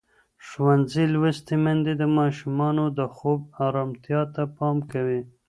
ښوونځې لوستې میندې د ماشومانو د خوب ارامتیا ته پام کوي.